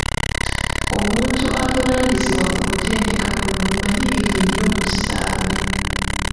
Omuntu avunaanyizibwa ku kutendeka kuno mumanyirivu nnyo mu kisaawe .